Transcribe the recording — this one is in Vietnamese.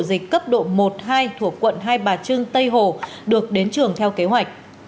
ổ dịch cấp độ một hai thuộc quận hai bà trưng tây hồ được đến trường theo kế hoạch